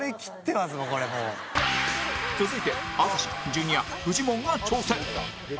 続いて淳ジュニアフジモンが挑戦